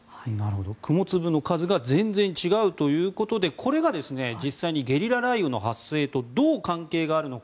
雲粒の数が全然違うということでこれが実際にゲリラ雷雨の発生とどう関係があるのか。